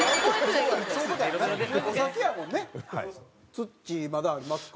つっちーまだありますか？